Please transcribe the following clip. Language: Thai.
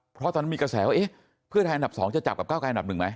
เพราะตอนนั้นมีกระแสว่าเอ๊ะเพื่อไทยอันดับ๒จะจับกับก้าวกลายอันดับหนึ่งไหม